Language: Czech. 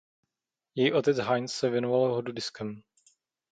Její otec Heinz se věnoval hodu diskem.